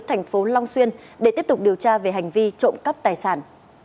thành phố long xuyên để tiếp tục điều tra về hành vi trộm cắp tài sản